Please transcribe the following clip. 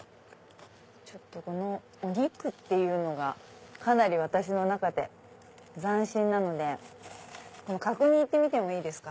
ちょっとお肉っていうのがかなり私の中で斬新なので角煮行ってみてもいいですか？